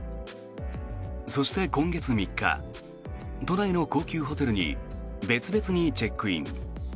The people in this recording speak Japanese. そして今月３日都内の高級ホテルに別々にチェックイン。